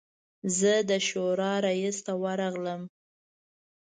زه د شورا رییس ته ورغلم.